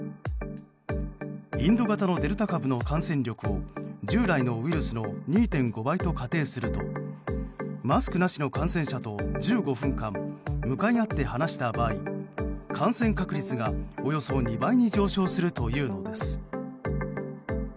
インド型のデルタ株の感染力を従来のウイルスの２．５倍と仮定するとマスクなしの感染者と１５分間向かい合って話した場合感染確率が、およそ２倍に上昇するというのです。